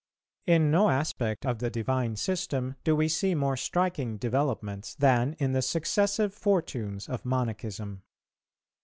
In no aspect of the Divine system do we see more striking developments than in the successive fortunes of Monachism.